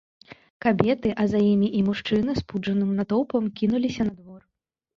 Кабеты, а за імі і мужчыны спуджаным натоўпам кінуліся на двор.